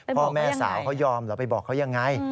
พ่อแม่สาวเขายอมเหรอไปบอกเขายังไง